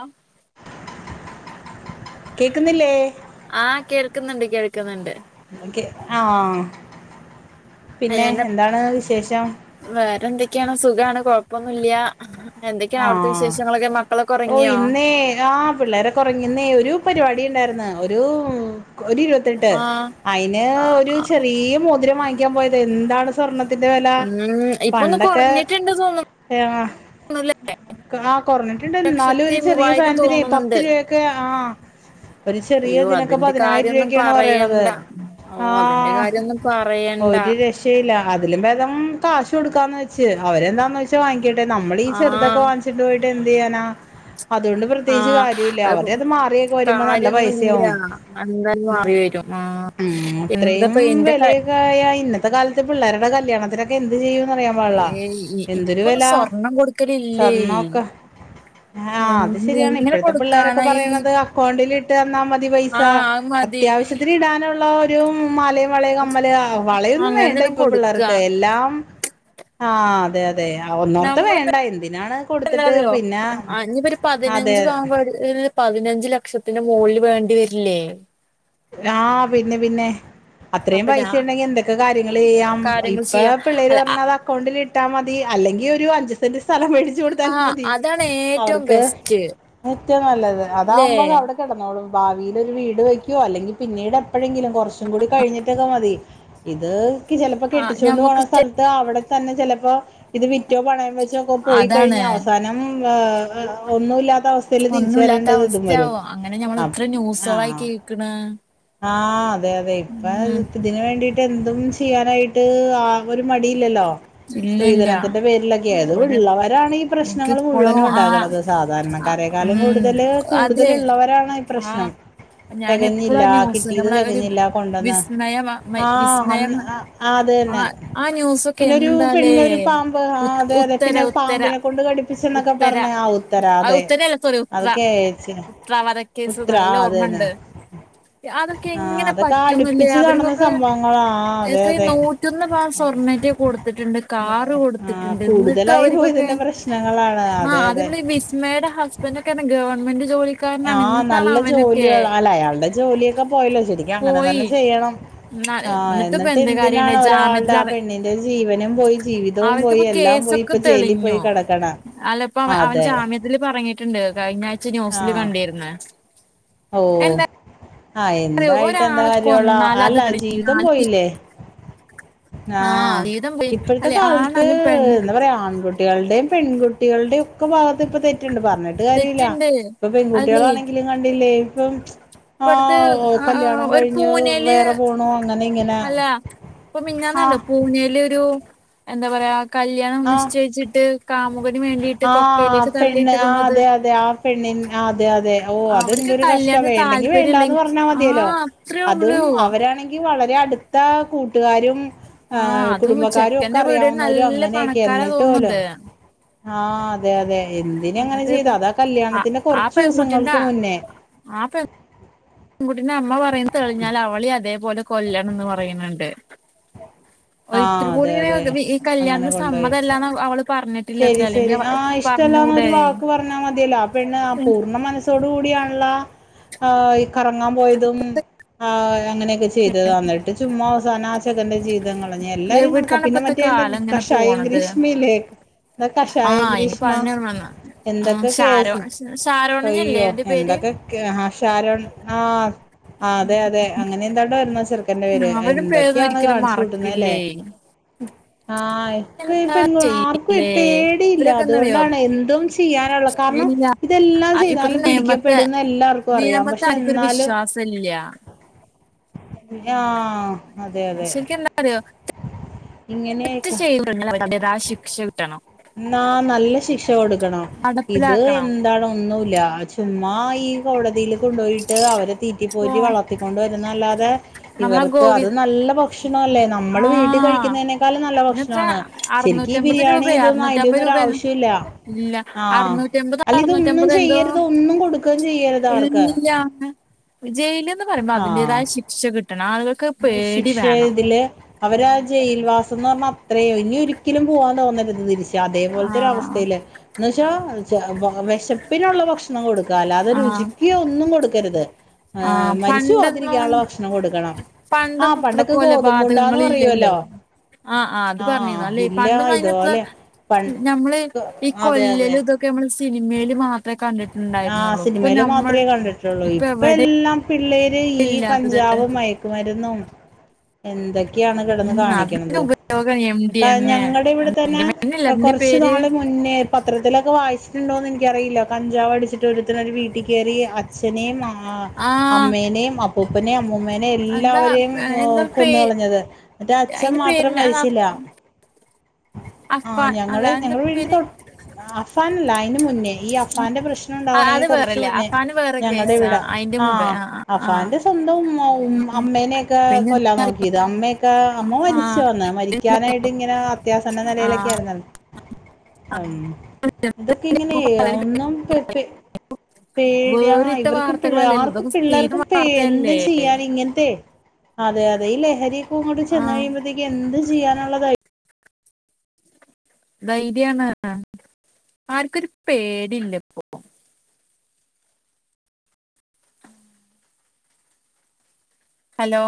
ആ കേക്ക്ന്നില്ലേ? ആഹ കേൾക്ക്ന്നുണ്ട് കേൾക്ക്ന്നണ്ട്. ആഹ് പിന്നെ ഞാന് എന്താണ് വിശേഷം? വേറെ എന്തൊക്കെയാണ് സുഖാണ് കൊഴപ്പൊന്നുംല്ല എന്തൊക്കെയാ ആ അവിടത്തെ വിശേഷങ്ങളൊക്കെ മക്കളൊക്കെ ഒറങ്ങിയോ ഏ ആഹ് പിള്ളേര ക്കോറങ്ങിന്നേ ഒരു പരിപാടി ഇണ്ടായിർന്ന് ഒരു ഒരു ഇരുപത്തട്ട് ആഹ് അയ്ന് ഒരു ചെറിയ മോതിരം വാങ്ങിക്കാൻ പോയത് എന്താണ് സ്വർണ്ണത്തിന്റെ വെല ഉം ഇപ്പൊന്ന് കൊറഞ്ഞിട്ടുണ്ട് തോന്നുന്നു അഹ് ആഹ് കൊറഞ്ഞിട്ടുണ്ട് എന്നാലും ലക്ഷത്തി ഒരു ചെറിയ മൂവായിരം സാധനത്തിന് പത്ത് തോന്നുന്നുണ്ട് രൂപയൊക്കെ ആഹ് ഒരു അയ്യോ ചെറിയതിനൊക്കെ അതിന്റെ പതിനായിരം കാര്യൊന്നും രൂപക്കാണ് പറയണത് പറയണ്ട ഓ അതിന്റെ ആഹ് കാര്യൊന്നും പറയണ്ട ഒരു രക്ഷ ല്ല അതിലും ബേദം കാശ് കൊടുക്കാന്ന് വെച്ച് അവരെന്താന്ന് വെച്ചാൽ വാങ്ങിക്കട്ടെ നമ്മൾ ദീ ചെറുതൊക്കേ ആഹ് വാങ്ങിചിട്ട് പോയി്ട്ട് എന്ത്ചെയ്യാനാ അതുകൊണ്ട് പ്രത്യേകിച്ച് കാര്യല്ല്യ അവര അത് മാറിയൊക്കെ വരുമ്പോ നല്ല കാര്യൊന്നുല്ല പൈസയാവും എന്തായാലും മാറി വരും ആഹ് ഉം ഇത്രയും എന്താപ്പ എന്റെ വില ക ഇന്നത്തെ കാലത്ത് പിള്ളേരുടെ കല്യാണത്തിനൊക്കെ എന്ത് ചെയ്യുന്നു ഏ ഇപ്പൊന്ന സ്വർണം കൊടുക്കലല്ലേ സ്വർണ്ണൊക്കെ ആഹ് അത് ശരിയാണ് ഇപ്പോഴത്തെ പിള്ളോരൊക്കെ ഈ പറയണത് അക്കൗണ്ടിൽിട്ട് തന്നാൽ മതി പൈസ ആഹ് അത് മതി അത്യാവശ്യത്തിന് ഇടാനുള്ള മല വള കമ്മല് വളയൊന്നും അങ്ങനെ വേണ്ട എന്തെലും ഇപ്പൊ കൊടുക്ക പിള്ളേർക്ക് എല്ലാം ആഹ് അതെ അതെ ഒന്നോർത്ത വേണ്ട എന്തി അല്ലാതെയോ അന്ന് പിന്നെ ഒരു അതെ പതിനഞ്ച് പവൻ പതിനഞ്ച് ലക്ഷത്തിന്റെ മോളിൽ വേണ്ടി വരില്ലേ ആഹ് പിന്നെ പിന്നെ അത്രയും അപ്പൊ പൈസ ഞാൻ ഉണ്ടെങ്കി എന്തൊക്കെ കാര്യങ്ങൾ ചെയ്യാം കാര്യങ്ങൾ ഇപ്പ ചെയ്യാ പിള്ളേര് അല്ല പറഞ്ഞത അക്കൗണ്ടിൽ ഇട്ടാ മതി അല്ലെങ്കിൽ ഒരു അഞ്ച് സെന്റ് സ്ഥലം മേടി ചോട്താലും ആഹ് മതി അതാണ് ഏറ്റവും അവർക്ക് ബെസ്റ്റ് ഏറ്റവും നല്ലത് ല്ലേ അതാവുമ്പോ അവടെ ന്നൂളും ഭാവിൽ ഒരു വീട് വെ ോ അല്ലെങ്കിൽ പിന്നീട് എപ്പോഴെങ്കിലും കുറച്ചും കൂടി കഴിഞ്ഞിട്ടൊക്കെ മതി ഇത് ചിലപ്പോ ആഹ് കെട്ടിച്ചുകൊണ്ട് പോണ ഞമ്മക്ക് ശ- സ്ഥലത്ത് അവിടെ തന്നെ ചെലപ്പോ ഇത് വിറ്റോ പണയം വെച്ചോക്കെ- പോയി അതാണ് കഴിഞ്ഞ അവസാനം ഒന്നു ഇല്ലാത്ത അവസ്ഥൽ തിരിച്ച ഒന്നുല്ലാത്ത വരേണ്ടത് ഇതും വരും അവസ്ഥയാവും അങ്ങനെ ഞമ്മൾ ആഹ് എത്ര ന്യൂസുകളായി ആഹ് കേൾക്കണ ആഹ് അതെ അതെ ഇപ്പ അതിന് വേണ്ടിട്ട് എന്തും ചെയ്യാനായിട്ട് ആ ഒരു മടിയില്ലല്ലോ ഇല്ലില്ല സ്ത്രീധനത്തിന്റെ പേരിലൊക്കെ ആത് ഒരു ഉള്ളവരാണ് ഈ പ്രശ്നങ്ങൾ എനിക്കിപ്പോളും മുഴുവനും ആ ഉണ്ടാകുന്നത് ആ സാധാരണക്കാരേക്കാള് ഉം കൂടുതല് കൂടുതലുള്ളവരാണ് ഈ പ്രശ്നം ഞാന തികഞ്ഞില്ല എപ്പോളാ ന്യൂ കിട്ടിയത് ന തികഞ്ഞില്ല കൊണ്ടന്ന് ആഹ് വിസ്മയസ്മയ അന്ന് ആഹ് അത് തന്നെ ആ ന്യൂെസ് ക്ക പിന്നെ ഒരു എന്താലേ പെണ്ണിനെ ഒരു പാമ്പ് ഉ ആഹ് അതെ അതെ ഉത്തര പിന്നെ ഉത്തര പാമ്പിനെ കൊണ്ട് കടിപ്പിച്ചെന്നൊക്കെ ഉത്തര പറഞ്ഞ ആ ഉത്തര ആ അതെ ഉത്തരയല്ല സോറി ഉത്ര അത് കേച്ച ഉത്ര വധ ക്കേസ് ഉത്തര നല്ല ആ അത് തന്നെ ഓർമ്മുണ്ട് അതൊക്കെ ആഹ് എങ്ങനെ അതൊക്കെ പറ്റുന്നില്ലേ അടുപ്പിച്ച് നടന്ന അവർക്കൊക്കെ സംഭവങ്ങളാ ആഹ് അതെ എത്രയും അതെ നൂറ്റൊന്ന് പാ സ്വർണട്ട് കൊടുത്തിട്ടുണ്ട് കാറ് ആഹ് കൊടുത്തിട്ടുണ്ട് എന്നിട്ടും കൂടുതലായി അവർക്കൊക്കെ പോയതിന്റെ പ്രശ്നങ്ങളാണ് ആ അതെ ആദ്യ അതെ മേടെ ഹസ്ബൻണ്ട് ക്കെ ഗവൻമെന്റ് ജോളി ആഹ് നല്ല ജോലിയ അല്ല അയാളുടെ ജോലിയൊക്കെ പോയില്ലോ ശെരിക്കും അങ്ങനെ പോയി തന്നെ ചെയ്യണം ന്ന ആഹ് എന്നിട്ടിപ്പ എന്നിട്ട് എന്ത് കാര്യണ്ട് എന്തിനാണ് ഒരാളുടെ ജാമ്യത്തിൽ ആ അറ പെണ്ണിന്റെ ജീവനും പോയി ജീവിതവും പോയി അവർക്കിപ്പോ എല്ലാം പോയി കേസൊക്കെ ഇപ്പൊ ജയിലിൽ പോയി തെളിഞ്ഞോ കിടക്കണ അല്ലപ്പോ അവൻ അതെ ജാമ്യത്തി ഇറങ്ങിട്ടുണ്ട് കഴിഞ്ഞ ന്യൂസില് ആഹ് കണ്ടിരുന്നേ ഓ ആഹ് എന്തായിട്ട് എന്താ ഒരാളെ കാര്യള്ള കൊന്നാൽ അത് അല്ല ജീവിതം തെളിഞ്ഞാൽ പോയില്ലേ ആഹ് ജീവിതം പോയി ഇപ്പോഴത്തെ അല്ലെ കാലത്ത് ആണായാലും പെണ്ണ് എന്താ പറയാ ആൺകുട്ടികളുടെ പെൺകുട്ടികളുടെ ഒക്കെ ഭാഗത്ത് ഇപ്പൊ തെറ്റുണ്ട് പറഞ്ഞിട്ട് കാര്യമല്ല തെറ്റുണ്ട് ഇപ്പൊ അല്ലേ പെൺകുട്ടികളാണെങ്കിലിൽ ല്ലേ ഇപ്പം ആ ഇപ്പടുത്ത് ആ കല്യാണം ഒരു കഴിഞ്ഞ് പൂനെല് വേറെ പോണു അങ്ങനെ ഇങ്ങനെ ഇപ്പം മിനിഞ്ഞാനണ്ടോ ആഹ് പൂനെയില ഒരു എന്താ പറയാ കല്യാണം ആഹ് നിശ്ചയിച്ചിട്ട് കാമുകന് വേണ്ടി ആഹ് പെണ് ആ അതെ അതെ ആ പെണ്ണിൻ അതെ അതെ ഓ അവർക്ക് അതെന്തൊരു കഷ്ട്ട കല്യാണത്തിന് വേണ്ടെങ്കി താല്പര്യം വേണ്ടാന്ന് ഇല്ലെങ്കി പറഞ്ഞാൽ മതിയല്ലോ ആഹ് അത്രേ ഉള്ളൂ അതും അവരാണെങ്കി വളരെ അടുത്ത കൂട്ടുകാരും ആ ആഹ് അതും കുടുംബക്കാരും ഒക്കെ ചെക്കന്റെ വീട് അറിയാവുന്നവരും നല്ല അങ്ങനെയൊക്കെ പണക്കാരാ എന്നിട്ട് പോലോ തോന്നുന്നുണ്ട് ആഹ അതെ അതെ എന്തിന അങ്ങനെ എന്നിട്ട് ചെയ്ത ഇപ്പ അതാ ആഹ് കല്യാണത്തിന്റെ ആ കൊറച്ച് പെൺകുട്ടിന്റെ ദിവസങ്ങൾക്ക് മുന്നേ കുട്ടിന്റെ അമ്മ പറയണ് തെളിഞ്ഞാൽ അവളി അതേപോലെ കൊല്ലണംന്ന് പറയുണ് ണ്ട് ഒരു ആഹ് ഇത്തിരി അതെ അതെ പോലുംവി ഈ കല്യാണതന് അങ്ങനെ കൊണ്ടോയി സമ്മതല്ലാന്ന് അവ അവള് പറഞ്ഞിട്ടില്ലത്രേ അല്ലെങ്കി.. പറഞ്ഞൂടെ ഇഷ്ടല്ലാന്നൊരു വാക്ക് പറഞമതിയല്ലോ പെണ്ണ് ആ പൂർണ്ണ മനസ്സ്.. ഇഷ്ട്ടതോട് കൂടിയണള്ള ആ ഇ കറങ്ങാൻ പോയതുംആ അങ്ങനെയൊക്കെചെയ്.. ചെയ്തതാ ന്നിട്ട് ചുമ്മാ അവസാനാ ആചെക്കന്റെ. ജീ.. അം കഞ്ഞ എല്ലാരും എവിടക്കാണ് കണക്കാം പിന്നെ ഇപ്പത്തെ മറ്റേ എന്താ കാലം ഇങ്ങനെ കഷായം പോണത് ഗ്രീഷ്മയില്ലേ എ കഷായം ആഹ് ഇനി ഗ്രീഷ്മ പറഞ്ഞോർമ്മവന്ന് ഉം എന്തൊക്കെ ഷാരോ കേസ് ഷാരോണിഞ്ഞല്ലേ അയ്യോ അവന്റെ പേര് എന്തൊക്കെ.. ഷാരോൺ ആ ആ അതെ അതെ അങ്ങനെ എന്താണ്ടോരുന്നൊ ആ ചെർ.. ന്തവേര് ആഹ് അവരുടെ പേരൊന്നും എന്തൊക്കെയാണ് ഒരിക്കലും കാണിച്ചു കൂട്ടുന്നല്ലേ.. മറക്കില്ലേ ആഹ് പി എന്താ പെ ആർക്കും ചെയ്യില്ലേ പേടിയില്ല ഇവരൊക്കെ എന്താറിയോ അതുകൊണ്ടാണെ എന്തും ചെയ്യാനള്ള കാർണം.. ഇല്ല ഇതെല്ലാം ഇപ്പത്തെ ചെയ്താലും നിയമത്തെ പിടിക്കപ്പെടുന്നെല്ലർക്കു അറിയാം നിയമത്തെ പഷെ ആർക്കും ഒരു എന്നാലു.. വിശ്വാസം ഇല്ല [inaudible] ഞാഹ, അതെ. അതെ.. ശരിക്കന്താറിയോ.. ഇങ്ങനെയിക്ക ഞ്ഞേ അവ അതിന്റെതാ ശിക്ഷ കിട്ടണം. ന്ന നല്ല ശിഷ കൊടുക്കണം ഇത് നടപ്പിലാക്കണം എന്തണ് ഒന്നുല്ല ആജ് സുമ്മാ ഈ കോടതില്. കൊണ്ടുയിട്ട് അവരെ തീറ്റി ഓ പോറ്റി വളർത്തിക്കൊണ്ട് വരുന്നല്ലാതെ നമ്മളെ ഇവർക്ക് ഗോവി അത് നല്ല പൊ ക്ഷണല്ലേ നമ്മൾ വീട്ടിൽ ആഹ് കഴിക്കുന്നതിനേക്കാളും നല്ല പിന്നെത്ര ഭക്ഷണാണ് ശരിക് ഈ അറുന്നൂറ്റമ്പത് ബിരിയാണി. രൂപയോ അ അറുന്നൂറ്റമ്പത് അന്നും ഒരു രൂപേന്ന് ആവശ്യമില്ല ഇല്ല ആഹ് ആ അറുന്നൂറ്റമ്പത് അല്ല ഇതൊന്നും അറുന്നൂറ്റമ്പത് എന്തോ ചെയ്യരുത് ഒന്നും കൊടുക്കയും ചെയ്യരുത് അർക്ക്.. യാം ജയിലിന്ന് പറയുമ്പോ അതിന്റേതായ ശിക്ഷ കിട്ടണം ആളുകൾക്. ആയ് ശിക്ഷേ ഇതില്. അവരാ ജയിൽവാസം ന്ന് പറഞ്ഞാ അത്രേ ഇനി ഒരിക്കലും പോവാൻ തോന്നരുത് തിരിച്ച്. ആഹ് അതേപോലത്തോരഅവസ്തേയില്. എന്ന് വെച്ചാ ചെ വ വശപ്പിനുള്ള ഭക്ഷണം കൊടുക്ക അല്ലാതെ ആഹ് രുചികി ഒന്നും കൊടുക്കരുത്. ഏഹ് ആഹ് മരിച്ചു പണ്ടോന്ന. പോവാതിരിക്കാനുള്ള ഭക്ഷണം കൊടുക്കണം ആഹ് പണ്ടെന്ന് ഇത്രക്കലെ പണ്ടൊക്കെ ഗോതമ്പുണ്ടാന്ന് കൊലപകങ്ങള് ഇല്ലല്ലോ. പറയുവല്ലോ ആഹ് ആ്അത് പറഞ്ഞിന്നു ആഹ് അല്ലേ ഇല്ല പണ്ടന്നൊയിത. ഇതുപോലെ പൺ ഞമ്മള് ഈ അതെ അതെ കൊല്ലല് ഇതൊക്കെ.. ക്കെ മ്മള് സിനിമേല് മാ.. ആ സിനിമേല് മാത്രേ കണ്ടിട്ടൊള്ളു ഇപ്പൊ ഇപ്പ എവിടെ എല്ലാം. പിള്ളേര് ഈ ഇല്ലാത്തത് കഞ്ചാവും മയക്കുമരുന്നും എന്ത ക്യാണ് കെടന്ന് ഉം അതിന്റെ കാണികണത് ഉപയോഗം എം ഡി എം കഴിഞ എ ഞങ്ങള്ടെ ഇവിടെ എം തന്നെ ഡി എം എ അല്ല അതിന്റെ കൊറച് പേര് നാള് മുന്നേ.. പത്രത്തിലൊക്കെ വായിച്ചിട്ടുണ്ടോ എനിക്കറിയില്ല കഞ്ചാവ്ടിച്ചി ഒരരുതര് വീട്ടിൽ കേറി അച്ഛനേം ആ ആഹ് അമ്മേനേം ആപ്പ് ഉപ്പനേ അമ്മൂമ്മനെ എന്താ എല്ലാവരെയും എന്താ പേ കൊന്നുകളഞ്ഞത്.. ട്ട് അച്ഛൻ അയിന്റെ മാത്രം പേരിന് മരിച്ചില.. ആ അഫാൻ അല്ല ഞങ്ങള് എന്താ ഞങ്ങളെ പേര് വീടിന്റെതോ അഫാൻ അല്ല. ഇതിന്ന് മുന്നേ ഈ അഫാന്റെ പ്രശ്നം ആഹ് ഉണ്ടാവണെന് അത് കൊറച്ച് വേറെല്ലേ മുന്നേ അഫാന് വേറെ ഞങ്ങടെ കേസാ ഇവിടെ അയിന്റെ മുമ്പേ ആഹ് ആഹ് അഫാന്റെ സ്വന്തം ഉമ് ഉമ്മ അമ്മേനൊക്കെ പിന്നെ കൊല്ലാ നോക്കിയത് അമ്മയൊക്കെ.. അമ്മ ആഹ് മരിചചൊന്ന് മരിക്കാന. ട്ടി ഇങ്ങനെ അത്യാസ നിലയിലൊക്കെ ആഹ് ആയിര്ന്ന്. പ്പഇങ്ങനെ ഇപ്പൊ പലരും ഒന്നും പെട് പെ പേടിവണ് വേറിട്ട ഇവർക് വാർത്തകളല്ലല്ലോ പിള്ളേർക്ക് ഇതൊക്കെ പിള്ളേർക്ക് സ്ഥിരം ഉം എന്തും വാർത്തയല്ലേ ചെയ്യാനെ ഇങ്ങൻത്തെ അതെ അതെ ഈ ലഹരിക്കെ ഇങ്ങോട്ട് ചെന്ന് ആഹ് കഴുമ്പഴത്തേക്കും എന്ത് ചെയ്യാനുള്ള ധൈ ധൈര്യാണ് ആഹ് ആർക്കൊരു പേടില്ല ഇപ്പോ ഹലോ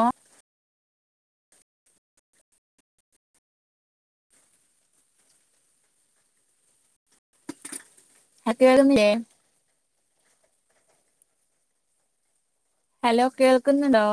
ഹതെ. കേളുന്നില്ലേ? ഹലോ, കേൾക്കുന്നുടോ?